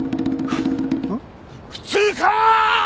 普通か！！